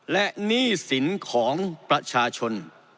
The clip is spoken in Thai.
และหนี้สินของประชาชน